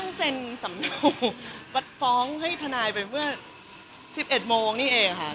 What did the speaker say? เพิ่มเวลาเตรียมสำนุกปัดฟ้องให้ทนายไปเพื่อ๑๑โมงนี่เองค่ะ